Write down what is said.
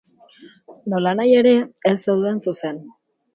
Nolanahi ere, ez zeuden zuzen.